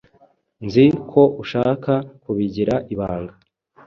Nzi ko ushaka kubigira ibanga.